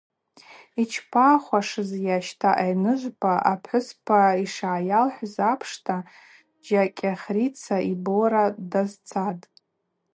Йчпахуашызйа, щта, Айныжвпа – апхӏвыспа йшгӏайалхӏвыз апшта Жакӏьахрица йбора дазцатӏ.